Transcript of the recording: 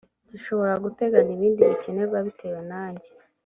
gishobora guteganya ibindi bikenerwa bitewe nanjye